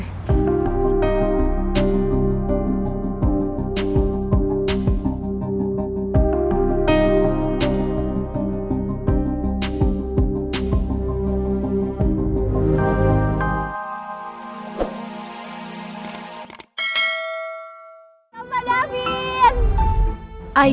sampai dah habis